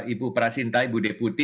ibu prasinta ibu deputi